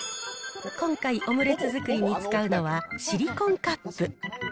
今回、オムレツ作りに使うのはシリコンカップ。